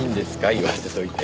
言わせておいて。